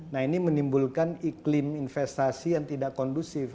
nah ini menimbulkan iklim investasi yang tidak kondusif